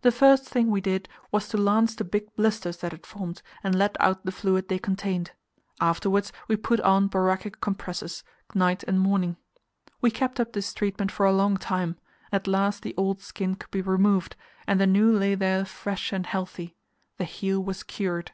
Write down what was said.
The first thing we did was to lance the big blisters that had formed and let out the fluid they contained; afterwards we put on boracic compresses, night and morning. We kept up this treatment for a long time; at last the old skin could be removed, and the new lay there fresh and healthy. The heel was cured.